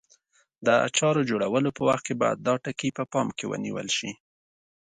د اچارو جوړولو په وخت کې باید دا ټکي په پام کې ونیول شي.